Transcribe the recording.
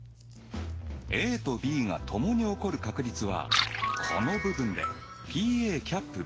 ＡとＢがともに起こる確率はこの部分でＰ。